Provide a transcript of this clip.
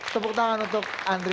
tepuk tangan untuk andri